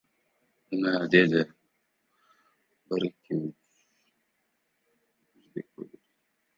Qariya aqlli kishilarga xos kulimsirash bilan dedi: